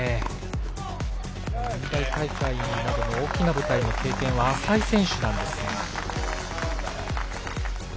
四大大会などの大きな舞台の経験は浅い選手なんですが。